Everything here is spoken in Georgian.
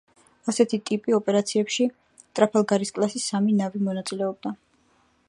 ასეთი ტიპი ოპერაციებში ტრაფალგარის კლასის სამი ნავი მონაწილეობდა.